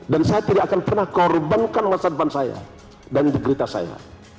dan saya tidak akan pernah korbankan masa depan saya dan berita saya